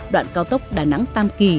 đoạn cao tốc đà nẵng tam kỳ